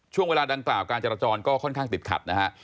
ช่วงเวลาดังกล่าวการจราจรก็ค่อนข้างติดขัดนะฮะ